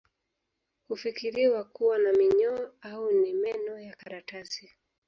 Hufikiriwa kuwa na minyoo au ni meno ya karatasi